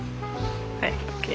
はいＯＫ。